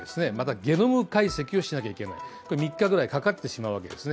またゲノム解析をしなきゃいけない、３日ぐらいかかってしまうわけですね。